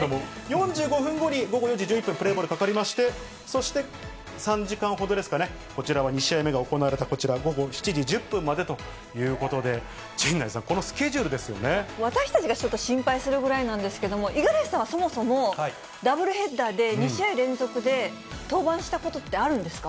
４５分後に、午後４時１１分、プレーボールかかりまして、そして３時間ほどですかね、こちらは２試合目が行われたこちら、午後７時１０分までということで、陣内さん、このスケジュールです私たちがちょっと心配するぐらいなんですけれども、五十嵐さんはそもそも、ダブルヘッダーで２試合連続で、登板したことってあるんですか。